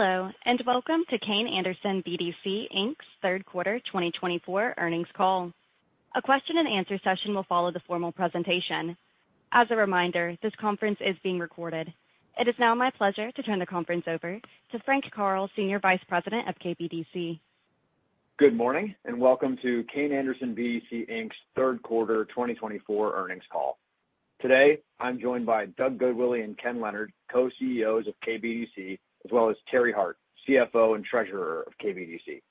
Hello, and welcome to Kayne Anderson BDC, Inc.'s Third Quarter 2024 Earnings Call. A question and answer session will follow the formal presentation. As a reminder, this conference is being recorded. It is now my pleasure to turn the conference over to Frank Karl, Senior Vice President of KBDC. Good morning, and welcome to Kayne Anderson BDC, Inc.'s 3rd Quarter 2024 Earnings Call. Today, I'm joined by Doug Goodwillie and Ken Leonard, Co-CEOs of KBDC, as well as Terry Hart, CFO and Treasurer of KBDC.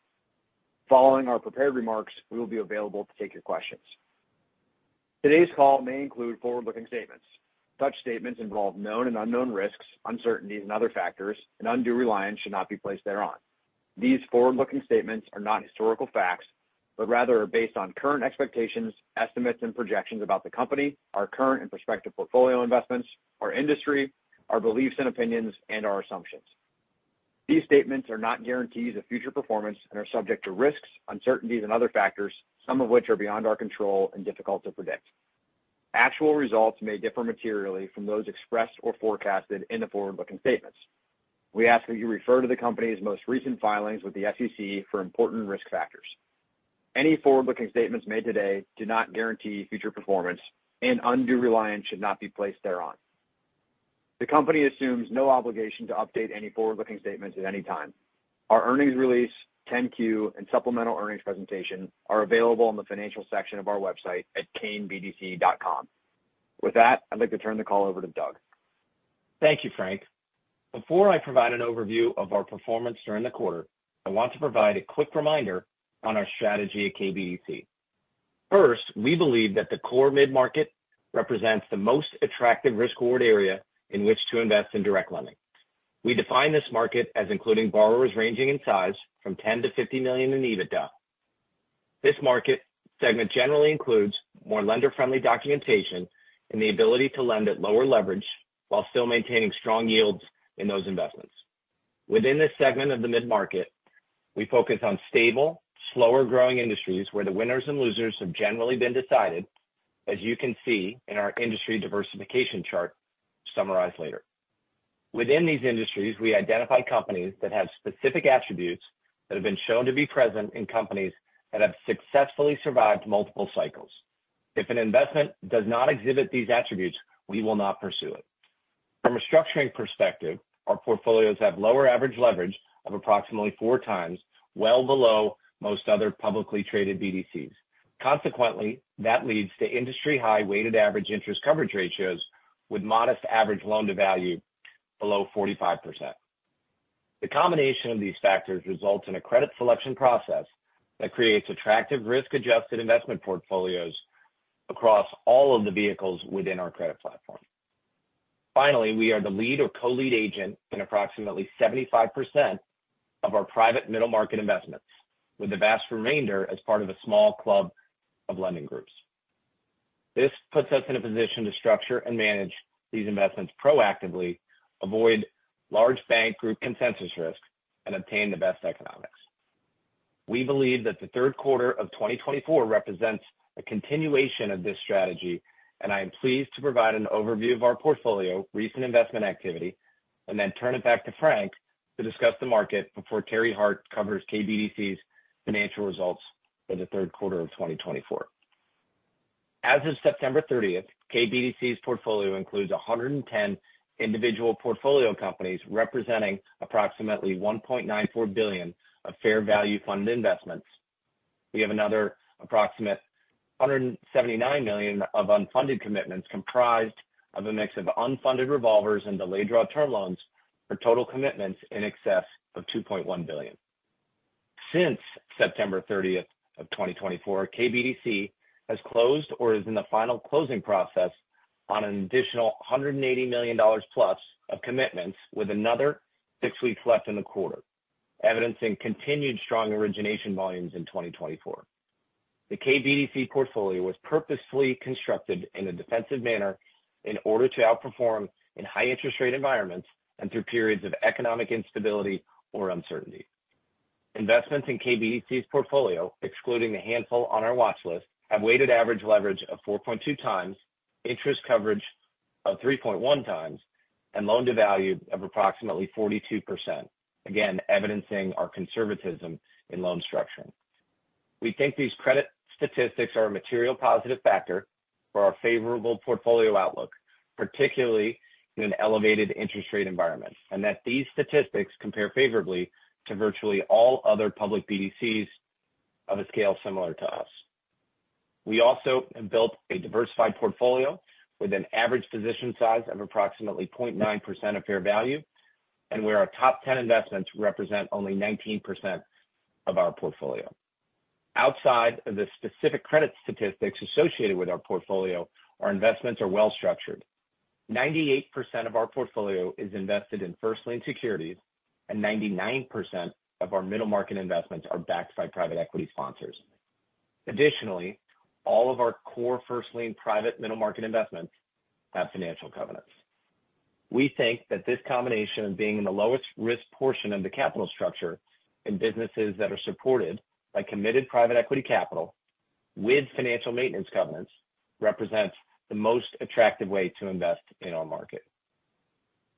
Following our prepared remarks, we will be available to take your questions. Today's call may include forward-looking statements. Such statements involve known and unknown risks, uncertainties and other factors, and undue reliance should not be placed thereon. These forward-looking statements are not historical facts, but rather are based on current expectations, estimates, and projections about the company, our current and prospective portfolio investments, our industry, our beliefs and opinions, and our assumptions. These statements are not guarantees of future performance and are subject to risks, uncertainties, and other factors, some of which are beyond our control and difficult to predict. Actual results may differ materially from those expressed or forecasted in the forward-looking statements. We ask that you refer to the company's most recent filings with the SEC for important risk factors. Undue reliance should not be placed thereon. The company assumes no obligation to update any forward-looking statements at any time. Our earnings release, 10-Q, and supplemental earnings presentation are available on the financial section of our website at kaynebdc.com. With that, I'd like to turn the call over to Doug. Thank you, Frank. Before I provide an overview of our performance during the quarter, I want to provide a quick reminder on our strategy at KBDC. First, we believe that the core mid-market represents the most attractive risk-reward area in which to invest in direct lending. We define this market as including borrowers ranging in size from $10 million-$50 million in EBITDA. This market segment generally includes more lender-friendly documentation and the ability to lend at lower leverage while still maintaining strong yields in those investments. Within this segment of the mid-market, we focus on stable, slower-growing industries where the winners and losers have generally been decided, as you can see in our industry diversification chart summarized later. Within these industries, we identify companies that have specific attributes that have been shown to be present in companies that have successfully survived multiple cycles. If an investment does not exhibit these attributes, we will not pursue it. From a structuring perspective, our portfolios have lower average leverage of approximately 4x, well below most other publicly traded BDCs. That leads to industry high weighted average interest coverage ratios with modest average loan-to-value below 45%. The combination of these factors results in a credit selection process that creates attractive risk-adjusted investment portfolios across all of the vehicles within our credit platform. We are the lead or co-lead agent in approximately 75% of our private middle market investments, with the vast remainder as part of a small club of lending groups. This puts us in a position to structure and manage these investments proactively, avoid large bank group consensus risk, and obtain the best economics. We believe that the 3rd quarter of 2024 represents a continuation of this strategy, and I am pleased to provide an overview of our portfolio, recent investment activity, and then turn it back to Frank to discuss the market before Terry Hart covers KBDC's financial results for the 3rd quarter of 2024. As of September 30th, KBDC's portfolio includes 110 individual portfolio companies, representing approximately $1.94 billion of fair value funded investments. We have another approximate $179 million of unfunded commitments comprised of a mix of unfunded revolvers and delayed draw term loans for total commitments in excess of $2.1 billion. Since September 30th of 2024, KBDC has closed or is in the final closing process on an additional $180 million plus of commitments, with another six weeks left in the quarter, evidencing continued strong origination volumes in 2024. The KBDC portfolio was purposefully constructed in a defensive manner in order to outperform in high interest rate environments and through periods of economic instability or uncertainty. Investments in KBDC's portfolio, excluding the handful on our watch list, have weighted average leverage of 4.2x, interest coverage of 3.1x, and loan-to-value of approximately 42%, again, evidencing our conservatism in loan structuring. We think these credit statistics are a material positive factor for our favorable portfolio outlook, particularly in an elevated interest rate environment, and that these statistics compare favorably to virtually all other public BDCs of a scale similar to us. We also have built a diversified portfolio with an average position size of approximately 0.9% of fair value, and where our top 10 investments represent only 19% of our portfolio. Outside of the specific credit statistics associated with our portfolio, our investments are well-structured. 98% of our portfolio is invested in first lien securities, and 99% of our middle market investments are backed by private equity sponsors. Additionally, all of our core first lien private middle market investments have financial covenants. We think that this combination of being in the lowest risk portion of the capital structure in businesses that are supported by committed private equity capital, with financial maintenance covenants, represents the most attractive way to invest in our market.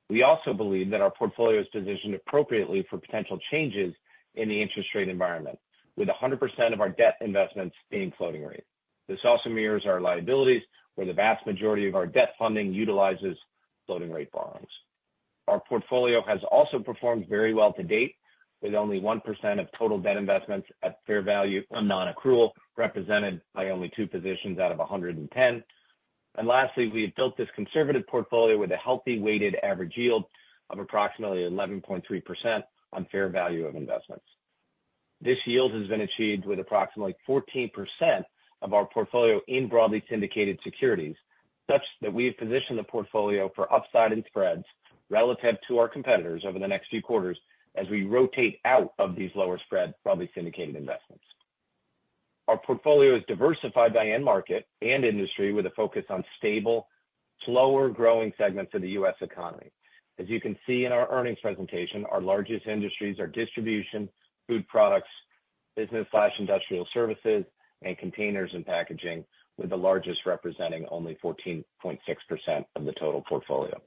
We also believe that our portfolio is positioned appropriately for potential changes in the interest rate environment, with 100% of our debt investments being floating rate. This also mirrors our liabilities, where the vast majority of our debt funding utilizes floating rate bonds. Our portfolio has also performed very well to date, with only 1% of total debt investments at fair value on non-accrual, represented by only two positions out of 110. Lastly, we have built this conservative portfolio with a healthy weighted average yield of approximately 11.3% on fair value of investments. This yield has been achieved with approximately 14% of our portfolio in broadly syndicated securities, such that we have positioned the portfolio for upside in spreads relative to our competitors over the next few quarters as we rotate out of these lower spread, broadly syndicated investments. Our portfolio is diversified by end market and industry with a focus on stable, slower-growing segments of the U.S. economy. As you can see in our earnings presentation, our largest industries are distribution, food products, business/industrial services, and containers and packaging, with the largest representing only 14.6% of the total portfolio.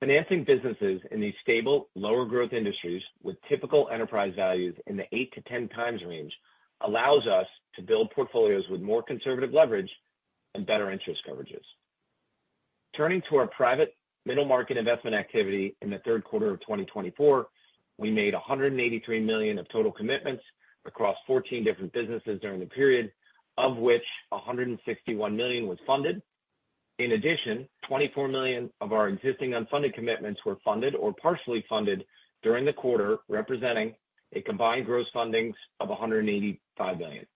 Financing businesses in these stable, lower growth industries with typical enterprise values in the 8x-10x range allows us to build portfolios with more conservative leverage and better interest coverages. Turning to our private middle market investment activity in the third quarter of 2024, we made $183 million of total commitments across 14 different businesses during the period, of which $161 million was funded. In addition, $24 million of our existing unfunded commitments were funded or partially funded during the quarter, representing a combined gross fundings of $185 million.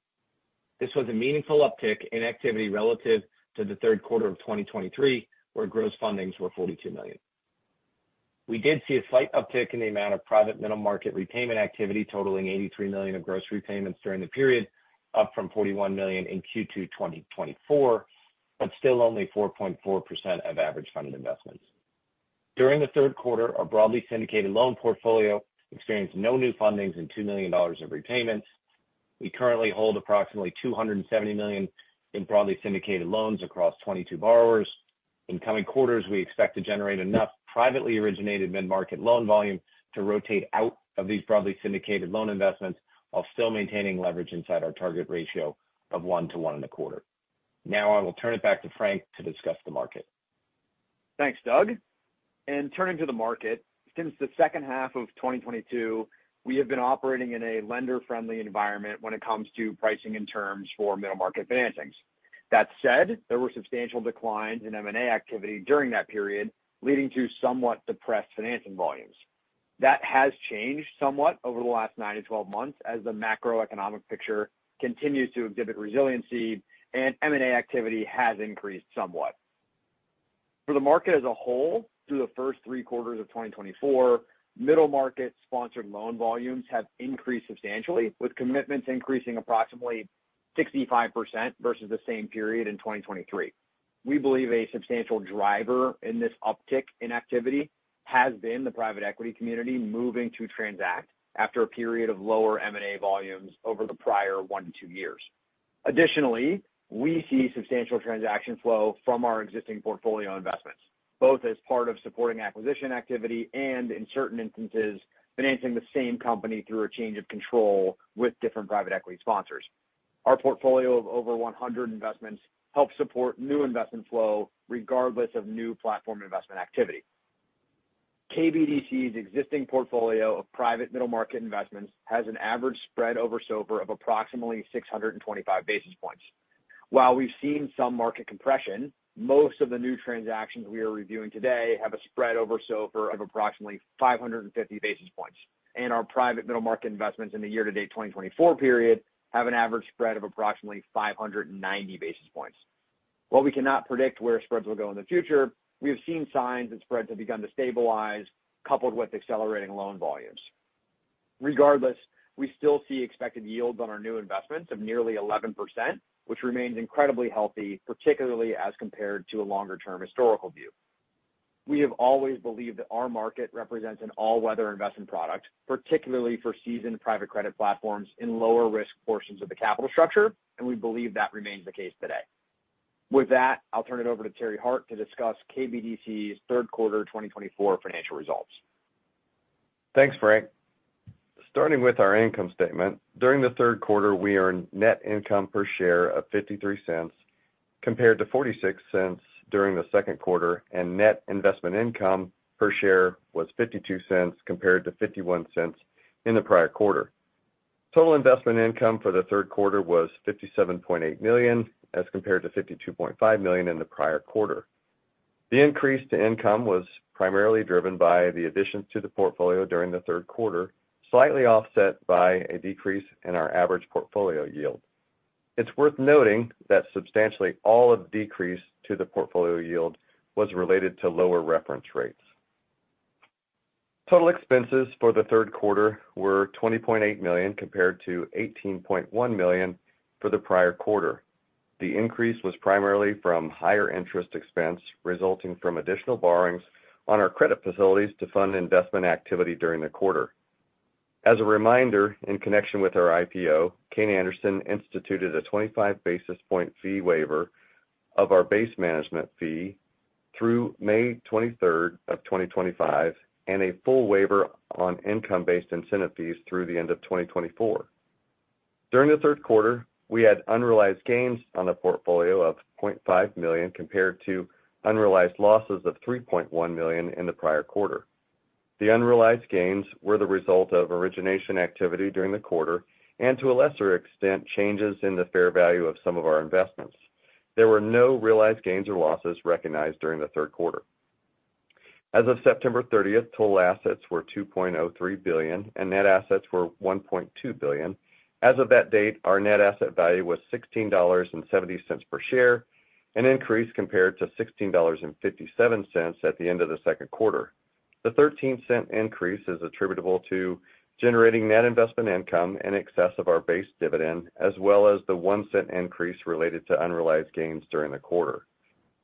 This was a meaningful uptick in activity relative to the third quarter of 2023, where gross fundings were $42 million. We did see a slight uptick in the amount of private middle market repayment activity totaling $83 million of gross repayments during the period, up from $41 million in Q2 2024, but still only 4.4% of average funded investments. During the third quarter, our broadly syndicated loan portfolio experienced no new fundings and $2 million of repayments. We currently hold approximately $270 million in broadly syndicated loans across 22 borrowers. In coming quarters, we expect to generate enough privately originated mid-market loan volume to rotate out of these broadly syndicated loan investments while still maintaining leverage inside our target ratio of 1-1.25. Now I will turn it back to Frank to discuss the market. Thanks, Doug. Turning to the market, since the second half of 2022, we have been operating in a lender-friendly environment when it comes to pricing and terms for middle market financings. That said, there were substantial declines in M&A activity during that period, leading to somewhat depressed financing volumes. That has changed somewhat over the last nine to 12 months as the macroeconomic picture continues to exhibit resiliency and M&A activity has increased somewhat. For the market as a whole, through the first three quarters of 2024, middle market sponsored loan volumes have increased substantially, with commitments increasing approximately 65% versus the same period in 2023. We believe a substantial driver in this uptick in activity has been the private equity community moving to transact after a period of lower M&A volumes over the prior one to two years. Additionally, we see substantial transaction flow from our existing portfolio investments, both as part of supporting acquisition activity and in certain instances, financing the same company through a change of control with different private equity sponsors. Our portfolio of over 100 investments helps support new investment flow regardless of new platform investment activity. KBDC's existing portfolio of private middle market investments has an average spread over SOFR of approximately 625 basis points. While we've seen some market compression, most of the new transactions we are reviewing today have a spread over SOFR of approximately 550 basis points, and our private middle market investments in the year-to-date 2024 period have an average spread of approximately 590 basis points. While we cannot predict where spreads will go in the future, we have seen signs that spreads have begun to stabilize, coupled with accelerating loan volumes. We still see expected yields on our new investments of nearly 11%, which remains incredibly healthy, particularly as compared to a longer-term historical view. We have always believed that our market represents an all-weather investment product, particularly for seasoned private credit platforms in lower risk portions of the capital structure, and we believe that remains the case today. With that, I'll turn it over to Terry Hart to discuss KBDC's third quarter 2024 financial results. Thanks, Frank. Starting with our income statement, during the third quarter, we earned net income per share of $0.53 compared to $0.46 during the second quarter. Net investment income per share was $0.52 compared to $0.51 in the prior quarter. Total investment income for the third quarter was $57.8 million as compared to $52.5 million in the prior quarter. The increase to income was primarily driven by the additions to the portfolio during the third quarter, slightly offset by a decrease in our average portfolio yield. It's worth noting that substantially all of the decrease to the portfolio yield was related to lower reference rates. Total expenses for the third quarter were $20.8 million compared to $18.1 million for the prior quarter. The increase was primarily from higher interest expense resulting from additional borrowings on our credit facilities to fund investment activity during the quarter. As a reminder, in connection with our IPO, Kayne Anderson instituted a 25 basis point fee waiver of our base management fee through May 23rd of 2025 and a full waiver on income-based incentive fees through the end of 2024. During the third quarter, we had unrealized gains on a portfolio of $0.5 million compared to unrealized losses of $3.1 million in the prior quarter. The unrealized gains were the result of origination activity during the quarter and to a lesser extent, changes in the fair value of some of our investments. There were no realized gains or losses recognized during the third quarter. As of September 30th, total assets were $2.03 billion, and net assets were $1.2 billion. As of that date, our net asset value was $16.70 per share, an increase compared to $16.57 at the end of the second quarter. The $0.13 increase is attributable to generating net investment income in excess of our base dividend as well as the $0.01 increase related to unrealized gains during the quarter.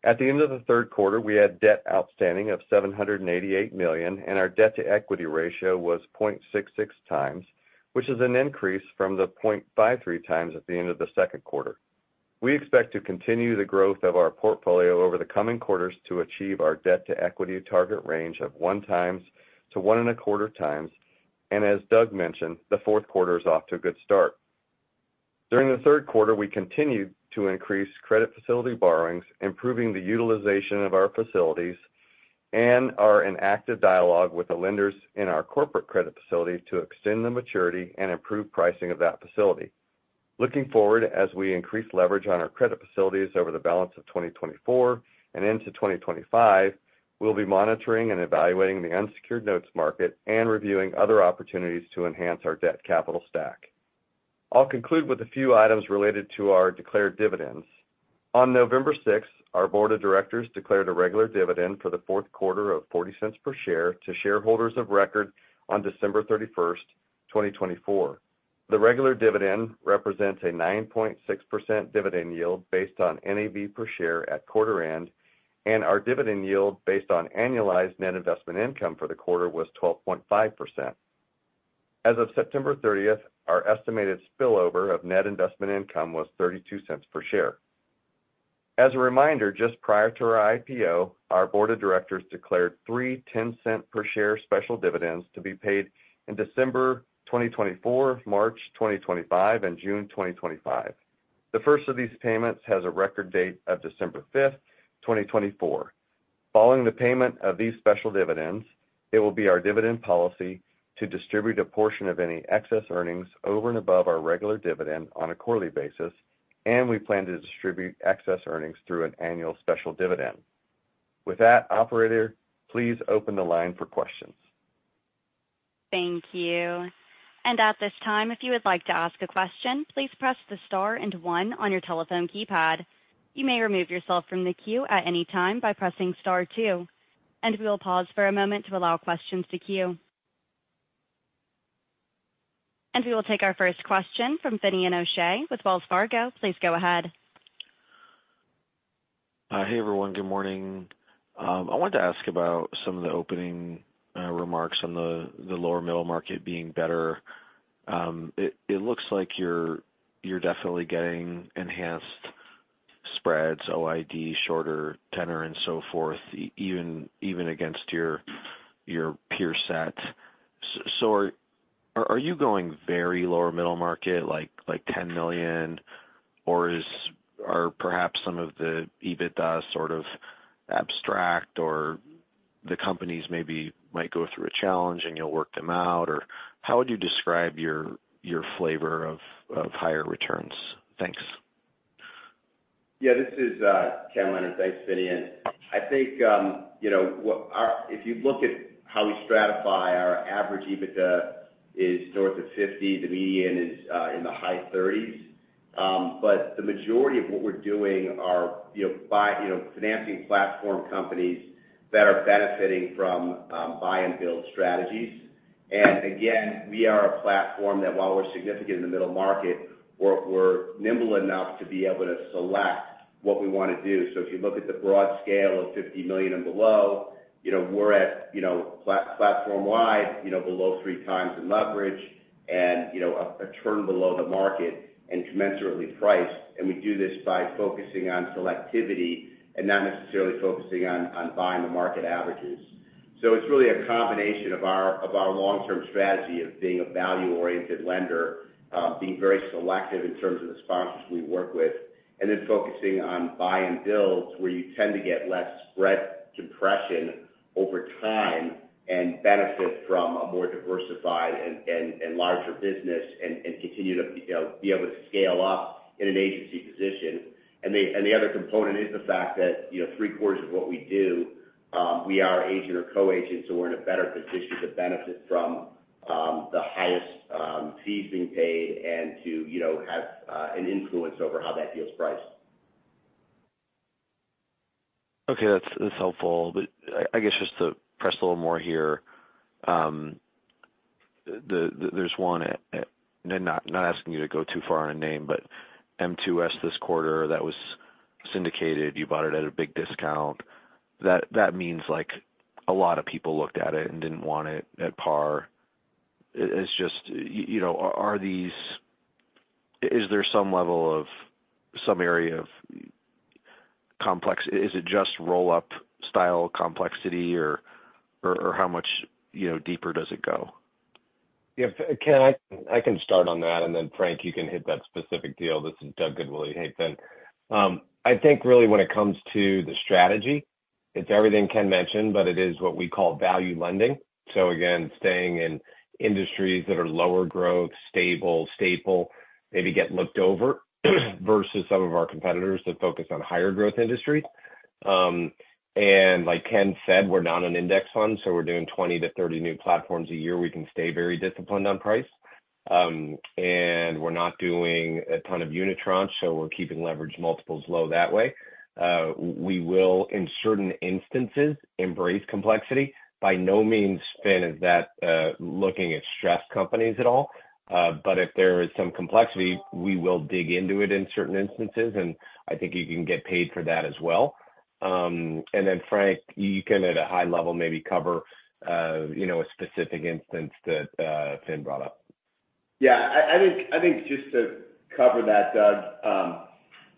At the end of the third quarter, we had debt outstanding of $788 million, and our debt-to-equity ratio was 0.66x, which is an increase from the 0.53x at the end of the second quarter. We expect to continue the growth of our portfolio over the coming quarters to achieve our debt-to-equity target range of 1x to 1.25x. As Doug mentioned, the fourth quarter is off to a good start. During the third quarter, we continued to increase credit facility borrowings, improving the utilization of our facilities, and are in active dialogue with the lenders in our corporate credit facility to extend the maturity and improve pricing of that facility. Looking forward, as we increase leverage on our credit facilities over the balance of 2024 and into 2025, we'll be monitoring and evaluating the unsecured notes market and reviewing other opportunities to enhance our debt capital stack. I'll conclude with a few items related to our declared dividends. On November 6th, our board of directors declared a regular dividend for the fourth quarter of $0.40 per share to shareholders of record on December 31st, 2024. The regular dividend represents a 9.6% dividend yield based on NAV per share at quarter end, and our dividend yield based on annualized net investment income for the quarter was 12.5%. As of September 30th, our estimated spillover of net investment income was $0.32 per share. As a reminder, just prior to our IPO, our board of directors declared three $0.10 per share special dividends to be paid in December 2024, March 2025, and June 2025. The first of these payments has a record date of December 5th, 2024. Following the payment of these special dividends, it will be our dividend policy to distribute a portion of any excess earnings over and above our regular dividend on a quarterly basis. We plan to distribute excess earnings through an annual special dividend. With that, operator, please open the line for questions. Thank you. At this time, if you would like to ask a question, please press the star and one on your telephone keypad. You may remove yourself from the queue at any time by pressing star two, we will pause for a moment to allow questions to queue. We will take our first question from Finian O'Shea with Wells Fargo. Please go ahead. Hey, everyone. Good morning. I wanted to ask about some of the opening remarks on the lower middle market being better. It looks like you're definitely getting enhanced spreads, OID, shorter tenor and so forth, even against your peer set. Are you going very lower middle market like $10 million? Or are perhaps some of the EBITDA sort of abstract or the companies maybe might go through a challenge and you'll work them out? Or how would you describe your flavor of higher returns? Thanks. This is Ken Leonard. Thanks, Finian. I think, you know, if you look at how we stratify our average EBITDA is north of 50. The median is in the high 30s. The majority of what we're doing are, you know, by, you know, financing platform companies that are benefiting from buy-and-build strategies. Again, we are a platform that while we're significant in the middle market, we're nimble enough to be able to select what we wanna do. If you look at the broad scale of $50 million and below, you know, we're at, you know, platform wide, you know, below 3x in leverage and, you know, a turn below the market and commensurately priced. We do this by focusing on selectivity and not necessarily focusing on buying the market averages. It's really a combination of our long-term strategy of being a value-oriented lender, being very selective in terms of the sponsors we work with, and then focusing on buy-and-builds where you tend to get less spread compression over time and benefit from a more diversified and larger business and continue to, you know, be able to scale up in an agency position. The other component is the fact that, you know, three-quarters of what we do, we are agent or co-agent, so we're in a better position to benefit from the highest fees being paid and to, you know, have an influence over how that deal is priced. Okay, that's helpful. I guess just to press a little more here, there's one not asking you to go too far on a name, but M2S this quarter that was syndicated, you bought it at a big discount. That means like a lot of people looked at it and didn't want it at par. It is just, you know, is there some level of some area of complex? Is it just roll-up style complexity or how much, you know, deeper does it go? Yeah. Ken, I can start on that, then Frank, you can hit that specific deal. This is Doug Goodwillie. Hey, Finn. I think really when it comes to the strategy, it's everything Ken mentioned, but it is what we call value lending. Again, staying in industries that are lower growth, stable, staple, maybe get looked over versus some of our competitors that focus on higher growth industries. Like Ken said, we're not an index fund, so we're doing 20-30 new platforms a year. We can stay very disciplined on price. We're not doing a ton of unitranche, so we're keeping leverage multiples low that way. We will, in certain instances, embrace complexity. By no means, Finn, is that looking at stressed companies at all. If there is some complexity, we will dig into it in certain instances, and I think you can get paid for that as well. Frank, you can at a high level, maybe cover, you know, a specific instance that Finn brought up. Yeah. I think just to cover that, Doug,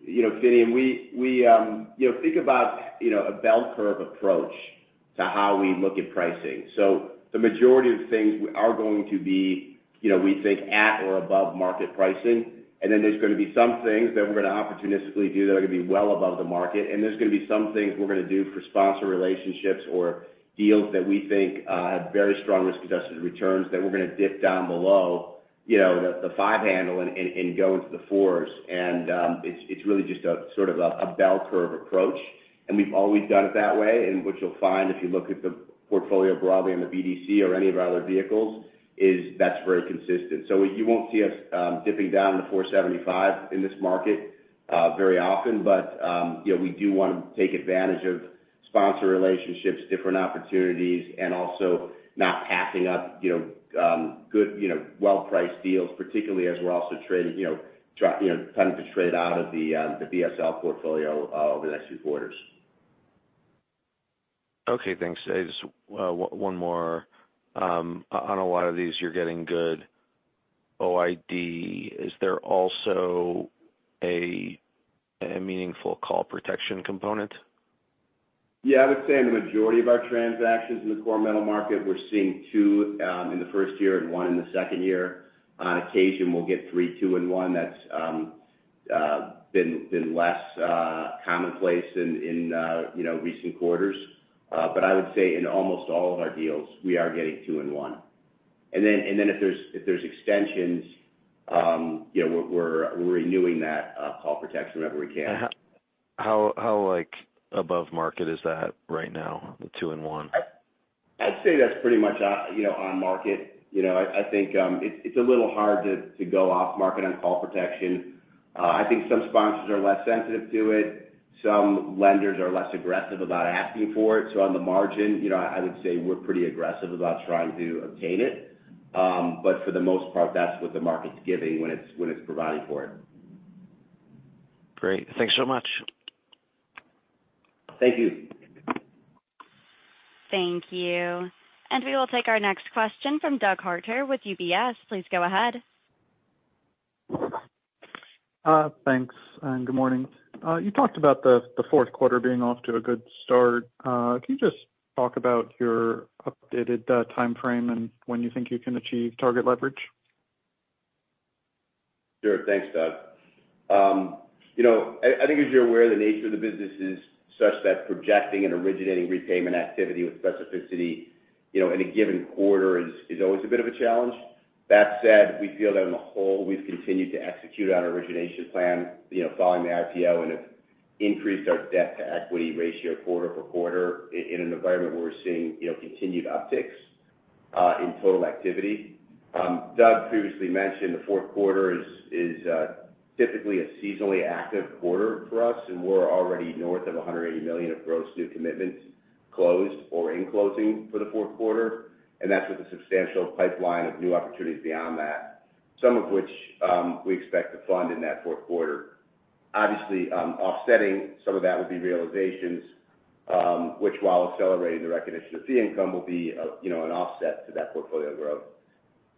you know, Finian, we, you know, think about, you know, a bell curve approach to how we look at pricing. The majority of things are going to be, you know, we think at or above market pricing. Then there's gonna be some things that we're gonna opportunistically do that are gonna be well above the market. There's gonna be some things we're gonna do for sponsor relationships or deals that we think have very strong risk-adjusted returns that we're gonna dip down below, you know, the 5-handle and go into the 4s. It's really just a sort of a bell curve approach. We've always done it that way, and what you'll find if you look at the portfolio broadly in the BDC or any of our other vehicles is that's very consistent. You won't see us, dipping down to 4.75% in this market, very often. You know, we do want to take advantage of sponsor relationships, different opportunities, and also not passing up, you know, good, you know, well-priced deals, particularly as we're also trading, you know, planning to trade out of the BSL portfolio over the next few quarters. Okay, thanks. I just one more. On a lot of these you're getting good OID. Is there also a meaningful call protection component? Yeah, I would say in the majority of our transactions in the core middle market, we're seeing two in the first year and one in the second year. On occasion, we'll get three, two, and one. That's been less commonplace in, you know, recent quarters. I would say in almost all of our deals, we are getting two-in-one. If there's, if there's extensions, you know, we're renewing that call protection wherever we can. How, like, above market is that right now? The two-in-one. I'd say that's pretty much you know, on market. You know, I think it's a little hard to go off market on call protection. I think some sponsors are less sensitive to it. Some lenders are less aggressive about asking for it. On the margin, you know, I would say we're pretty aggressive about trying to obtain it. For the most part, that's what the market's giving when it's, when it's providing for it. Great. Thanks so much. Thank you. Thank you. We will take our next question from Doug Harter with UBS. Please go ahead. Thanks. Good morning. You talked about the fourth quarter being off to a good start. Can you just talk about your updated timeframe and when you think you can achieve target leverage? Sure. Thanks, Doug. You know, I think as you're aware, the nature of the business is such that projecting and originating repayment activity with specificity, you know, in a given quarter is always a bit of a challenge. That said, we feel that on the whole, we've continued to execute on our origination plan, you know, following the IPO, and have increased our debt-to-equity ratio quarter-for-quarter in an environment where we're seeing, you know, continued upticks in total activity. Doug previously mentioned the fourth quarter is typically a seasonally active quarter for us, and we're already north of $180 million of gross new commitments closed or in closing for the fourth quarter. That's with a substantial pipeline of new opportunities beyond that, some of which we expect to fund in that fourth quarter. Obviously, offsetting some of that would be realizations, which, while accelerating the recognition of fee income, will be, you know, an offset to that portfolio growth.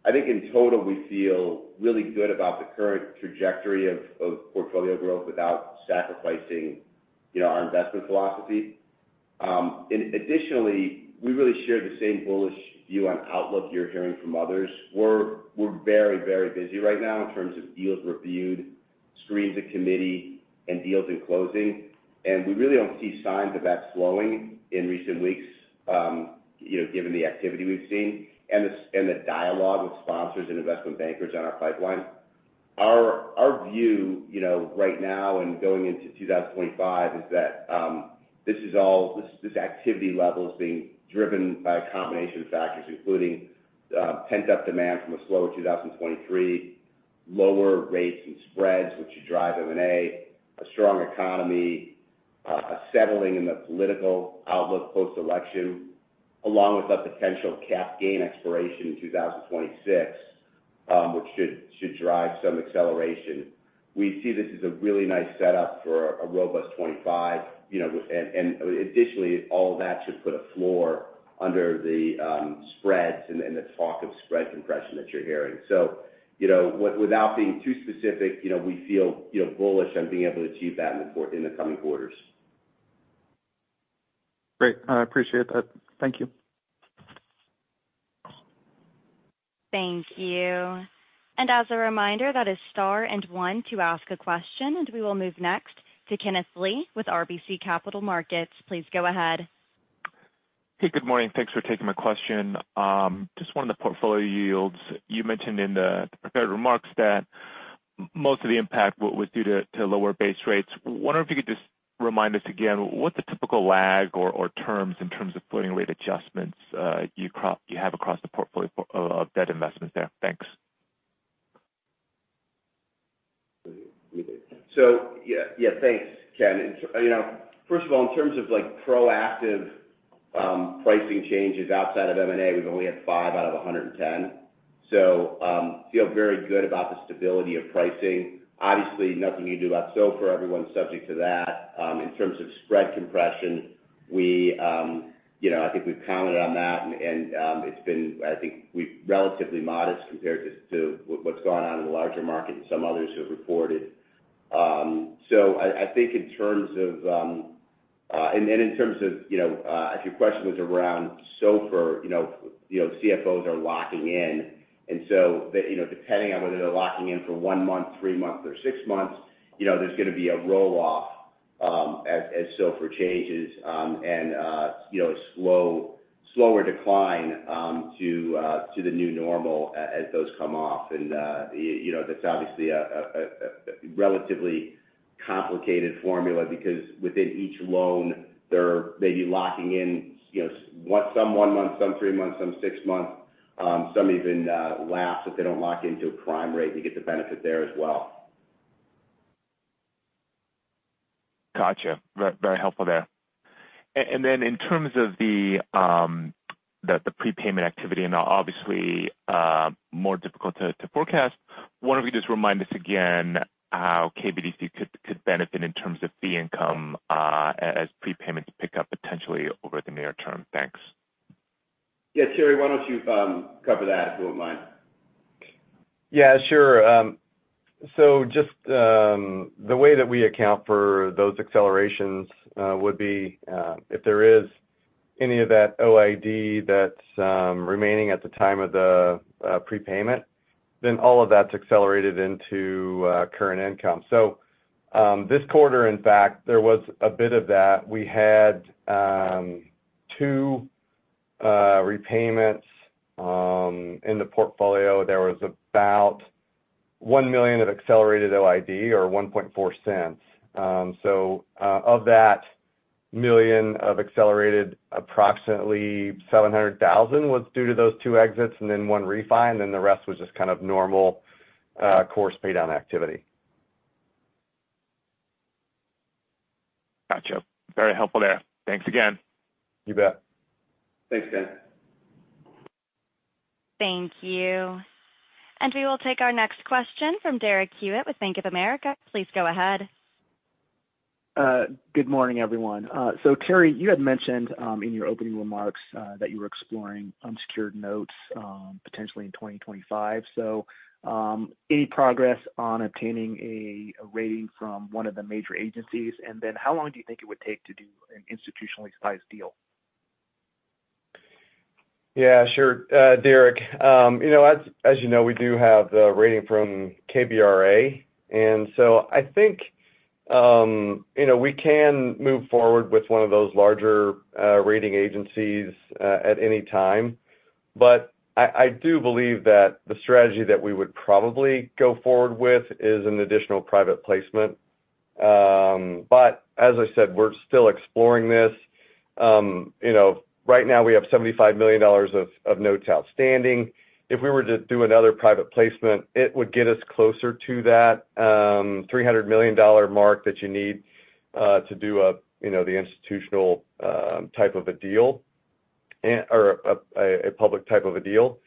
I think in total, we feel really good about the current trajectory of portfolio growth without sacrificing, you know, our investment philosophy. Additionally, we really share the same bullish view on outlook you're hearing from others. We're very, very busy right now in terms of deals reviewed, screens at committee and deals in closing. We really don't see signs of that slowing in recent weeks, you know, given the activity we've seen and the dialogue with sponsors and investment bankers on our pipeline. Our view, you know, right now and going into 2025 is that, this activity level is being driven by a combination of factors, including pent-up demand from a slower 2023. Lower rates and spreads, which drive M&A, a strong economy, a settling in the political outlook post-election, along with a potential capital gains expiration in 2026, which should drive some acceleration. We see this as a really nice setup for a robust 2025, you know, with. Additionally, all of that should put a floor under the spreads and the talk of spread compression that you're hearing. you know, without being too specific, you know, we feel, you know, bullish on being able to achieve that in the coming quarters. Great. I appreciate that. Thank you. Thank you. As a reminder, that is star and one to ask a question. We will move next to Kenneth Lee with RBC Capital Markets. Please go ahead. Hey, good morning. Thanks for taking my question. Just one of the portfolio yields. You mentioned in the prepared remarks that most of the impact was due to lower base rates. Wondering if you could just remind us again what the typical lag or terms in terms of floating rate adjustments you have across the portfolio of debt investments there? Thanks. Yeah. Thanks, Ken. You know, first of all, in terms of, like, proactive pricing changes outside of M&A, we've only had five out of 110. Feel very good about the stability of pricing. Obviously, nothing you can do about SOFR. Everyone's subject to that. In terms of spread compression, we, you know, I think we've commented on that and it's been, I think we've relatively modest compared to what's going on in the larger market and some others who have reported. I think in terms of, and then in terms of, you know, if your question was around SOFR, you know, CFOs are locking in. you know, depending on whether they're locking in for one month, three months or six months, you know, there's gonna be a roll-off, as SOFR changes, and, you know, a slower decline to the new normal as those come off. you know, that's obviously a relatively complicated formula because within each loan they're maybe locking in, you know, some one month, some three months, some six months, some even laps if they don't lock into a prime rate to get the benefit there as well. Gotcha. Very helpful there. Then in terms of the prepayment activity and obviously, more difficult to forecast, wonder if you could just remind us again how KBDC could benefit in terms of fee income as prepayments pick up potentially over the near term. Thanks. Yeah. Terry, why don't you cover that, if you wouldn't mind? Yeah, sure. Just the way that we account for those accelerations would be if there is any of that OID that's remaining at the time of the prepayment, then all of that's accelerated into current income. This quarter, in fact, there was a bit of that. We had two repayments in the portfolio. There was about $1 million of accelerated OID, or $0.014. Of that $1 million of accelerated, approximately $700,000 was due to those two exits and then one refi, and then the rest was just kind of normal course paydown activity. Gotcha. Very helpful there. Thanks again. You bet. Thanks, Ken. Thank you. We will take our next question from Derek Hewett with Bank of America. Please go ahead. Good morning, everyone. Terry, you had mentioned in your opening remarks that you were exploring unsecured notes potentially in 2025. Any progress on obtaining a rating from one of the major agencies? How long do you think it would take to do an institutionally sized deal? Yeah, sure. Derek, you know, as you know, we do have the rating from KBRA. I think, you know, we can move forward with one of those larger rating agencies at any time. But I do believe that the strategy that we would probably go forward with is an additional private placement. But as I said, we're still exploring this. You know, right now we have $75 million of notes outstanding. If we were to do another private placement, it would get us closer to that $300 million mark that you need to do a, you know, the institutional type of a deal and, or a public type of a deal.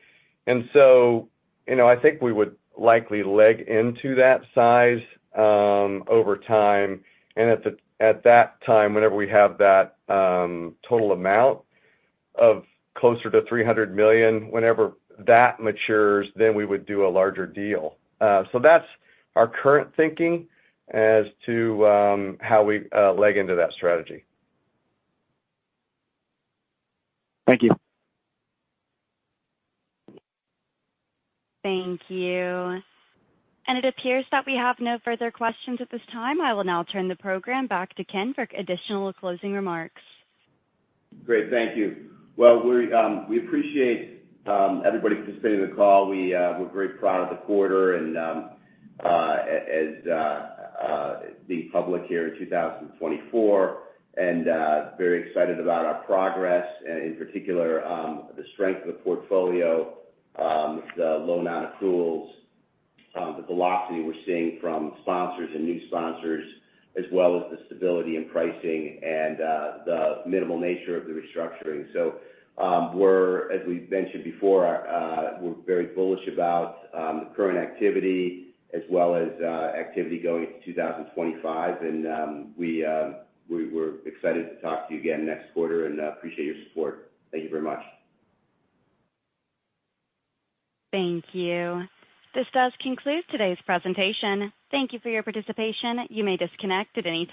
You know, I think we would likely leg into that size over time. At that time, whenever we have that total amount of closer to $300 million, whenever that matures, then we would do a larger deal. That's our current thinking as to how we leg into that strategy. Thank you. Thank you. It appears that we have no further questions at this time. I will now turn the program back to Ken for additional closing remarks. Great. Thank you. Well, we appreciate everybody participating in the call. We're very proud of the quarter and as the public here in 2024, and very excited about our progress, in particular, the strength of the portfolio, the low amount of [plurals], the velocity we're seeing from sponsors and new sponsors, as well as the stability in pricing and the minimal nature of the restructuring. We're, as we've mentioned before, we're very bullish about the current activity as well as activity going into 2025. We're excited to talk to you again next quarter and appreciate your support. Thank you very much. Thank you. This does conclude today's presentation. Thank you for your participation. You may disconnect at any time.